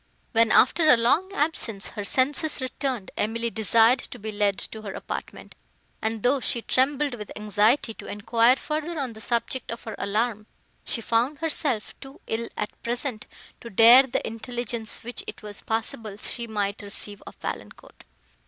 When, after a long absence, her senses returned, Emily desired to be led to her apartment; and, though she trembled with anxiety to enquire further on the subject of her alarm, she found herself too ill at present, to dare the intelligence which it was possible she might receive of Valancourt.